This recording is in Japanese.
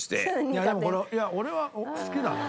いやでも俺は好きだな。